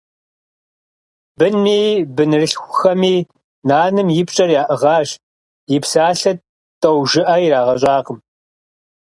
Бынми бынырылъхухэми нанэм и пщӀэр яӀыгъащ, и псалъэ тӀэужыӀэ ирагъэщӀакъым.